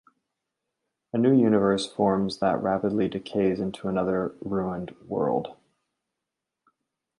A new universe forms that rapidly decays into another ruined world.